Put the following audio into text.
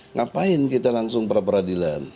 ngapain kita langsung pra peradilan